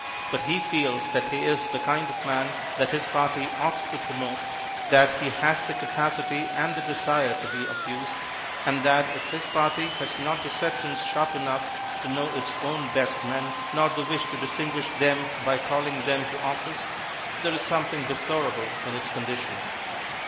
But he feels that he is the kind of man that his party ought to promote, that he has the capacity and the desire to be of use, and that if his party has not perceptions sharp enough to know its own best men, nor the wish to distinguish them by calling them to office, there is something deplorable in its condition.